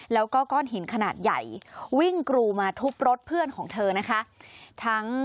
แล้วก็ก้อนหินขนาดใหญ่วิ่งกรูมาทุบรถเพื่อนของเธอนะคะ